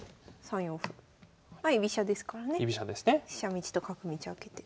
道と角道開けて。